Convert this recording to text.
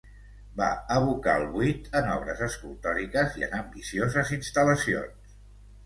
Va evocar el buit en obres escultòriques i en ambicioses instal·lacions.